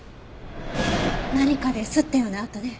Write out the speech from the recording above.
何かで擦ったような跡ね。